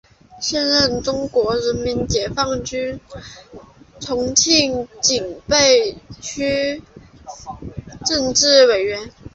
现任中国人民解放军重庆警备区政治委员。